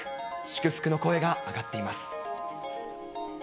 祝福の声が上がっています。